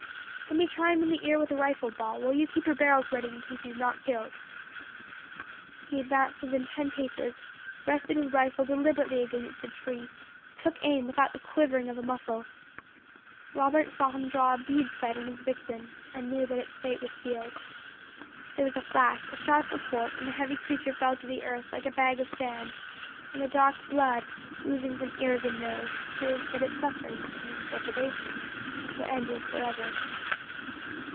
"Let me try him in the ear with a rifle ball, while you keep your barrels ready in case he is not killed." He advanced within ten paces, rested his rifle deliberately against a tree, took aim without the quivering of a muscle. Robert saw him draw a "bead sight" on his victim, and knew that its fate was sealed. There was a flash, a sharp report, and the heavy creature fell to the earth, like a bag of sand, and the dark blood, oozing from ears and nose, proved that its sufferings and its depredations were ended for ever.